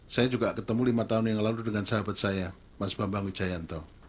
saya juga ketemu lima tahun yang lalu dengan sahabat saya mas bambang wijayanto